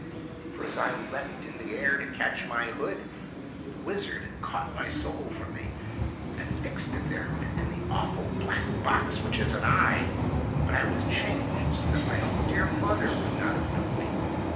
For as I leaped in the air to catch my hood, the wizard had caught my soul from me and fixed it there within the awful black box which has an eye ! But I was changed so that my own dear mother would not have known me.